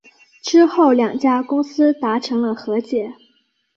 之后两家公司达成了和解。